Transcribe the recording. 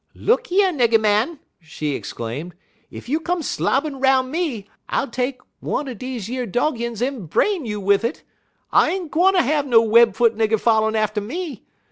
"Look yer, nigger man!" she exclaimed, "ef you come slobbun 'roun' me, I'll take one er deze yer dog iüns en brain you wid it. I ain't gwine ter have no web foot nigger follerin' atter me.